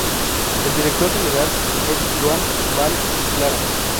El director general es Joan Vall i Clara.